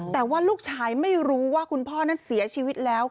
แต่ว่าลูกชายไม่รู้ว่าคุณพ่อนั้นเสียชีวิตแล้ว